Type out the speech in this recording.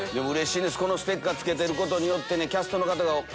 このステッカーつけてることによって。